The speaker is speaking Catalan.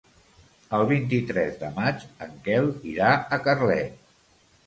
El vint-i-tres de maig en Quel irà a Carlet.